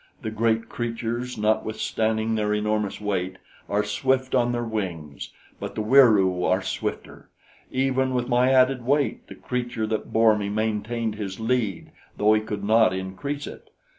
The great creatures, notwithstanding their enormous weight, are swift on their wings; but the Wieroo are swifter. Even with my added weight, the creature that bore me maintained his lead, though he could not increase it.